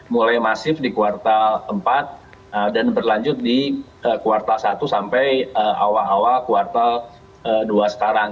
mulai masif di kuartal empat dan berlanjut di kuartal satu sampai awal awal kuartal dua sekarang